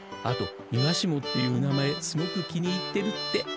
あとニワシモっていう名前すごく気に入ってるって。